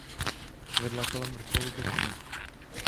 Vedla kolem vrcholu kopce.